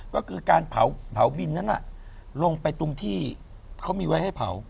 ก็คือการเผาบินนั้นลงไปตรงที่เขามีไว้ให้เผา